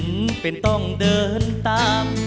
เป็นต้องเดินตาม